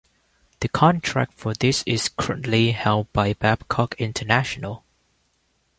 The contract for this is currently held by Babcock International.